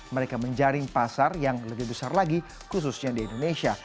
mereka menjaring pasar yang lebih besar lagi khususnya di indonesia